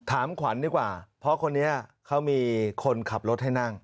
ถามขวัญดีกว่าเพราะคนนี้เขามีคนขับรถให้นั่ง